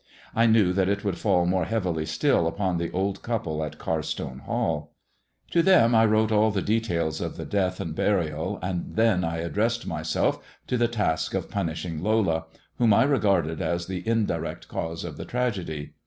I knew that it would fall more heavily still upon the old couple at Carstone Hall. To them I wrote all details of the death and burial, and then I addressed myself to the task of punishing Lola, whom I regarded as the indirect cause of the tragedy.